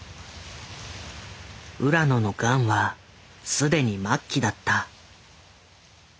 浦野のガンは既に末期だった。